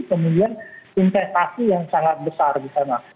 kemudian investasi yang sangat besar di sana